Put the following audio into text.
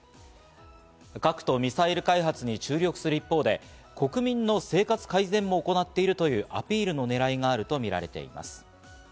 核とミサイル開発に注力する一方で、国民の生活改善も行っているというアピールのねらいがあるとみられています。